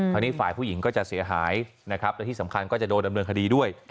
คราวนี้ฝ่ายผู้หญิงก็จะเสียหายนะครับและที่สำคัญก็จะโดนดำเนินคดีด้วย